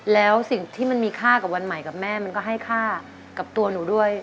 แล้วสิ่งที่มันมีค่ากับวันใหม่กับแม่มันก็ให้ค่ากับตัวหนูด้วย